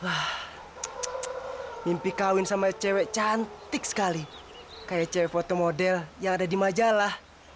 wah mimpi kawin sama cewek cantik sekali kayak cewek foto model yang ada di majalah